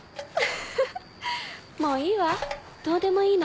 フフフもういいわどうでもいいの。